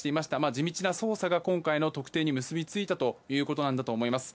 地道な捜査が今回の特定に至ったということだと思います。